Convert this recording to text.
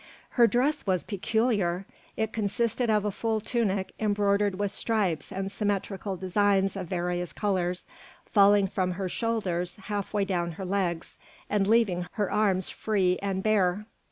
Her dress was peculiar. It consisted of a full tunic embroidered with stripes and symmetrical designs of various colours, falling from her shoulders half way down her legs and leaving her arms free and bare.